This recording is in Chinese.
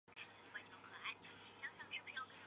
文武阁的历史年代为清代。